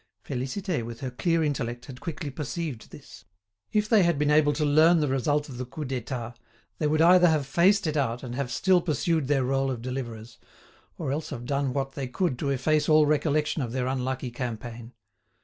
Félicité, with her clear intellect, had quickly perceived this. If they had been able to learn the result of the Coup d'État, they would either have faced it out and have still pursued their role of deliverers, or else have done what they could to efface all recollection of their unlucky campaign.